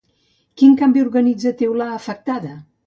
Quin canvi organitzatiu l'ha afectada?